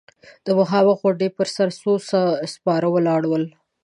د مخامخ غونډۍ پر سر څو سپاره ولاړ ول.